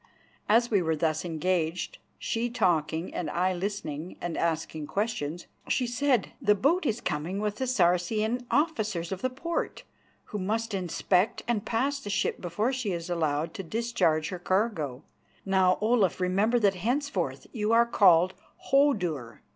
As we were thus engaged, she talking and I listening and asking questions, she said, "The boat is coming with the Saracen officers of the port, who must inspect and pass the ship before she is allowed to discharge her cargo. Now, Olaf, remember that henceforth you are called Hodur."